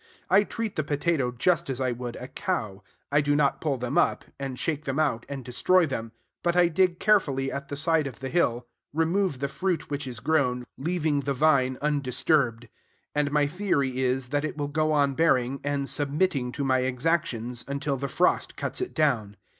I treat the potato just as I would a cow. I do not pull them up, and shake them out, and destroy them; but I dig carefully at the side of the hill, remove the fruit which is grown, leaving the vine undisturbed: and my theory is, that it will go on bearing, and submitting to my exactions, until the frost cuts it down.